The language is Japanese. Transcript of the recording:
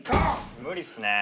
無理っすね。